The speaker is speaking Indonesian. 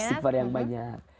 istighfar yang banyak